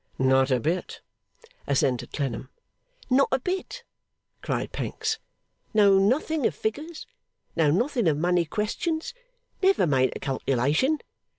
'Not a bit,' assented Clennam. 'Not a bit,' cried Pancks. 'Know nothing of figures. Know nothing of money questions. Never made a calculation.